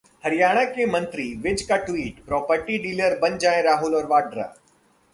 हरियाणा के मंत्री विज का ट्वीट- प्रॉपर्टी डीलर बन जाएं राहुल और वाड्रा